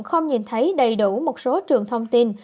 không nhìn thấy đầy đủ một số trường thông tin